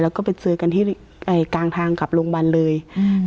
แล้วก็ไปเจอกันที่เอ่อกลางทางกับโรงพยาบาลเลยอืม